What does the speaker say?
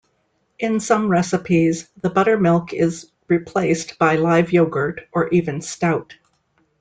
In some recipes, the buttermilk is replaced by live yogurt or even stout.